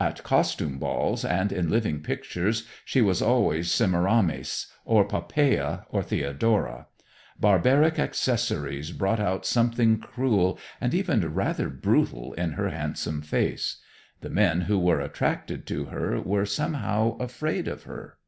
At costume balls and in living pictures she was always Semiramis, or Poppea, or Theodora. Barbaric accessories brought out something cruel and even rather brutal in her handsome face. The men who were attracted to her were somehow afraid of her.